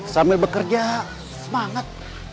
sambil bekerja semangat